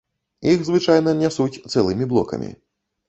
Іх звычайна нясуць цэлымі блокамі.